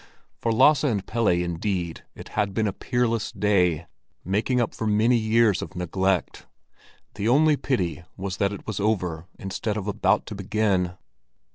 For Lasse and Pelle, indeed, it had been a peerless day, making up for many years of neglect. The only pity was that it was over instead of about to begin.